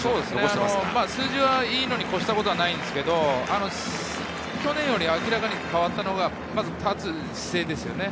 数字はいいのに越したことはないんですけれど、去年より明らかに変わったのが立つ姿勢です。